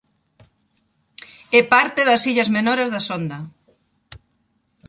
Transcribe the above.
É parte das Illas menores da Sonda.